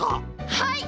はい！